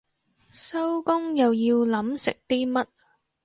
收工又要諗食啲乜